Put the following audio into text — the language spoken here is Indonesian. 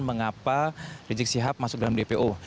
mengapa rizik sihab masuk dalam dpo